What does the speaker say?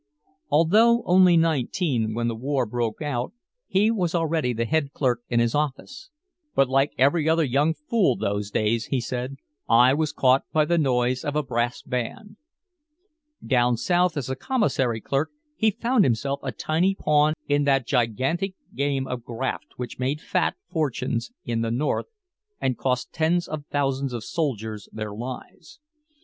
Although only nineteen when the war broke out, he was already the head clerk in his office. "But like every other young fool those days," he said, "I was caught by the noise of a brass band!" Down South as a commissary clerk he found himself a tiny pawn in that gigantic game of graft which made fat fortunes in the North and cost tens of thousands of soldiers their lives.